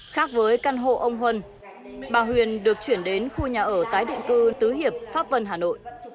khác với căn hộ ông huân bà huyền được chuyển đến khu nhà ở tái định cư tứ hiệp pháp vân hà nội